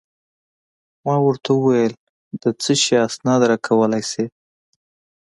ما ورته وویل: د څه شي اسناد راکولای شې؟